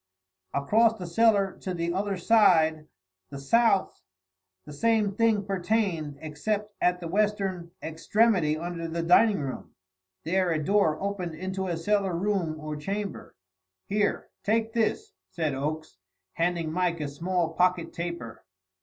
Across the cellar, to the other side the south the same thing pertained except at the western extremity under the dining room; there a door opened into a cellar room or chamber. "Here! take this," said Oakes, handing Mike a small pocket taper.